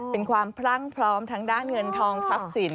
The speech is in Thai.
เป็นความพลั่งพร้อมทางด้านเงินทองทรัพย์สิน